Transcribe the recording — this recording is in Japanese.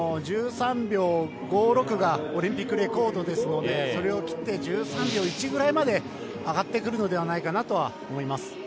１３秒５１３秒６がオリンピックレコードですのでそれを切って１３秒１くらいまで上がってくるのではないかなと思います。